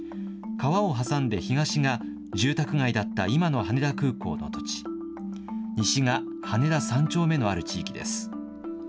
川を挟んで東が住宅街だった今の羽田空港の土地、西が羽田３丁目のある地域です。